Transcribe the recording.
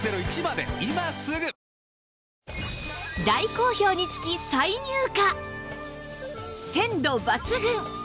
大好評につき鮮度抜群！